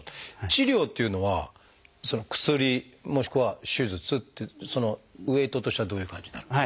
治療っていうのは薬もしくは手術ってウエイトとしてはどういう感じになる？